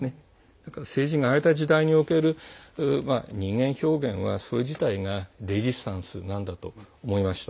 だから政治が荒れた時代における人間表現は、それ自体がレジスタンスなんだって思いました。